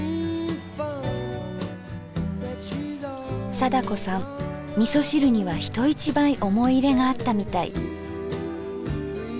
貞子さんみそ汁には人一倍思い入れがあったみたい。